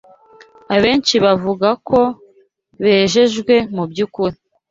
Abenshi bavuga ko bejejwe mu by’ukuri